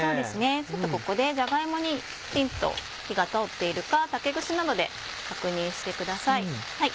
ちょっとここでじゃが芋にきちんと火が通っているか竹串などで確認してください。